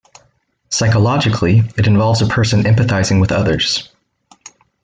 Psychologically, it involves a person empathizing with others.